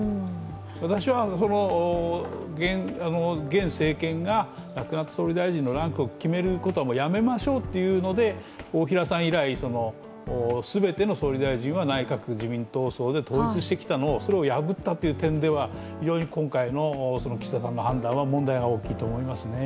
私は現政権が、亡くなった総理大臣のランクを決めることはやめましょうっていうので大平さん以来、全ての総理大臣は内閣自民党葬で統一してきたのを、やぶったという点では非常に今回の岸田さんの判断は問題が大きかったと思いますね。